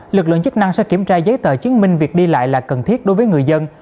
lực lượng chức năng sẽ kiểm tra giấy tờ chứng minh việc đi lại là cần thiết đối với người dân